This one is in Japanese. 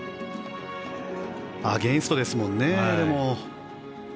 アゲンストですもんね。